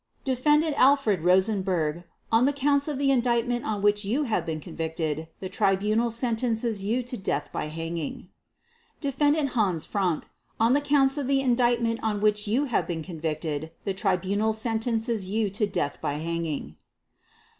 "Defendant Alfred Rosenberg, on the Counts of the Indictment on which you have been convicted, the Tribunal sentences you to death by hanging. "Defendant Hans Frank, on the Counts of the Indictment on which you have been convicted, the Tribunal sentences you to death by hanging.